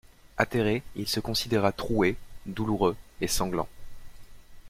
Atterré, il se considéra troué, douloureux et sanglant.